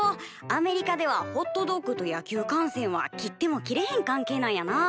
アメリカではホットドッグと野球観戦は切っても切れへん関係なんやな。